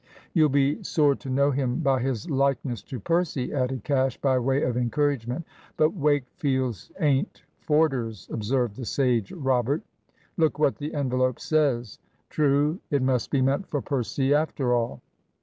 "You'll be sore to know him by his likeness to Percy," added Cash, by way of encouragement. "But Wakefield's ain't Forder's," observed the sage Robert. "Look what the envelope says." True; it must be meant for Percy after all.